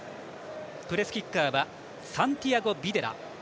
プレスキッカーはサンティアゴ・ビデラ。